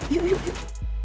yuk yuk yuk